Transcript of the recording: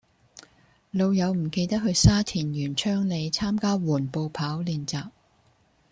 老友唔記得去沙田源昌里參加緩步跑練習